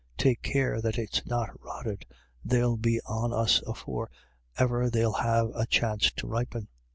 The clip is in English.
Take care that it's not rotted they'll be on us afore ever they'll have a chanst to ripen.